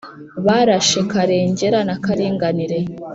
barashe karengera na karinganire